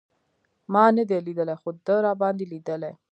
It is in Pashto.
ما نه دی لېدلی خو ده راباندې لېدلی.